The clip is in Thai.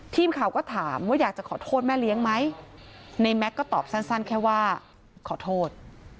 ทีมข่าวก็ถามว่าอยากจะขอโทษแม่เลี้ยงไหมในแม็กซ์ก็ตอบสั้นแค่ว่าขอโทษ